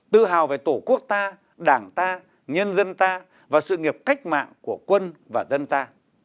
tự hào về tổ quốc ta đảng ta nhân dân ta và sự nghiệp cách mạng của quân và dân ta